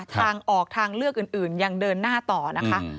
ทางออกทางเลือกอื่นยังเดินหน้าต่อนะคะ